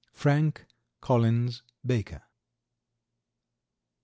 Frank Collins Baker.